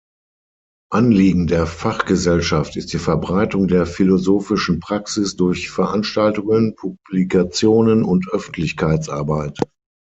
Anliegen der Fachgesellschaft ist die Verbreitung der Philosophischen Praxis durch Veranstaltungen, Publikationen und Öffentlichkeitsarbeit.